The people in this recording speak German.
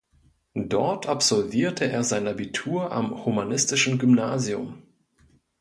Dort absolvierte er sein Abitur am Humanistischen Gymnasium.